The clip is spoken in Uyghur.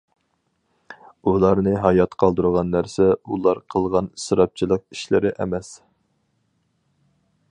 ئۇلارنى ھايات قالدۇرغان نەرسە ئۇلار قىلغان ئىسراپچىلىق ئىشلىرى ئەمەس.